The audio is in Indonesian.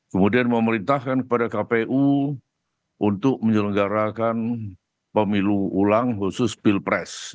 kemudian memerintahkan kepada kpu untuk menyelenggarakan pemilu ulang khusus pilpres